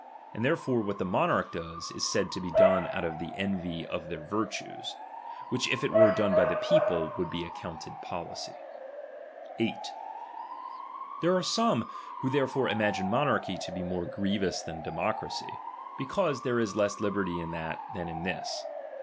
And therefore what the monarch does, is said to be done out of envy to their virtues ; which if it were done hy the people, would be accounted policy. singis penons 8. Thcrc arc some, who therefore imagine mo libenj under nurchy to bc more grievous then democracy, be ti'd^to'^pi" cause there is less liberty in that, than in this.